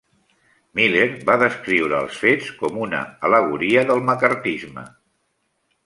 Miller va descriure els fets com una al·legoria del maccarthisme.